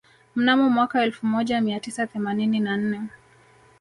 Mnamo mwaka elfu moja mia tisa themanini na nne